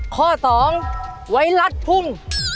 ข้อสองไว้รัดพุ่ง